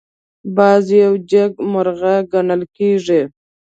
باز یو جګمرغه ګڼل کېږي